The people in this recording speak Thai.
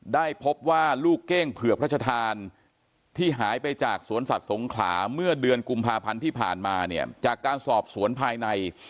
ได้พบว่าลูกเก้งเผื่อพระชธานที่หายไปจากสวนสัตว์สงขลาเมื่อเดือนกุมภาพันธ์ที่ผ่านมาเนี่ยจากการสอบสวนภายใน